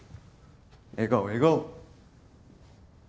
笑顔笑顔。